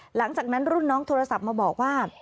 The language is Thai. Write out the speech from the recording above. หลังจากนั้นรุ่นน้องโทรศัพท์มาบอกว่า